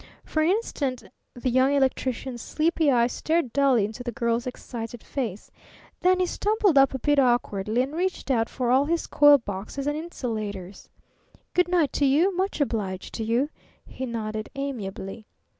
For an instant the Young Electrician's sleepy eyes stared dully into the Girl's excited face. Then he stumbled up a bit awkwardly and reached out for all his coil boxes and insulators. "Good night to you. Much obliged to you," he nodded amiably.